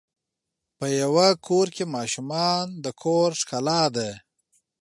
په یوه کور کې ماشومان د کور ښکلا ده.